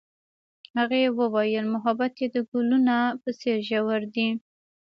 هغې وویل محبت یې د ګلونه په څېر ژور دی.